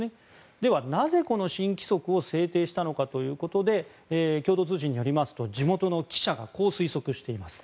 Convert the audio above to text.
では、なぜ、この新規則を制定したのかということで共同通信によりますと地元の記者が推測しています。